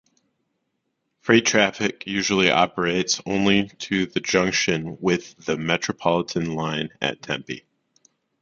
Freight traffic usually operates only to the junction with the Metropolitan line at Tempe.